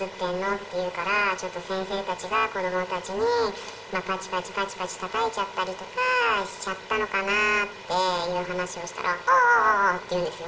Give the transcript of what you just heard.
って言うから、ちょっと先生たちが子どもたちに、ぱちぱちぱちぱちたたいちゃったりとかしちゃったのかなっていう話をしたら、あーあーあーあーって言うんですよ。